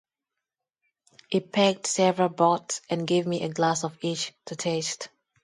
He pegged several butts, and gave me a glass of each to taste.